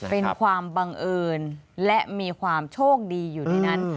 เป็นความบังเอิญและมีความโชคดีอยู่ในนั้น